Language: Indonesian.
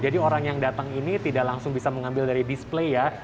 jadi orang yang datang ini tidak langsung bisa mengambil dari display ya